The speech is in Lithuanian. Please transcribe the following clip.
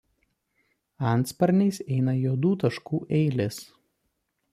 Antsparniais eina juodų taškų eilės.